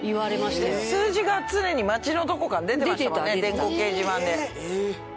数字が常に街のどこかに出てましたもんね電光掲示板で。